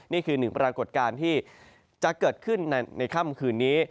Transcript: นี่คือหนึ่งปรากฏการณ์ที่จะเกิดขึ้นในค่ำคืนนี้